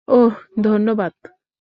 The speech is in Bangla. অহ, ধন্যবাদ।